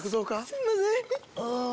すんません。